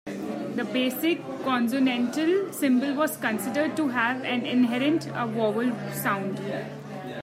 The basic consonantal symbol was considered to have an inherent "a" vowel sound.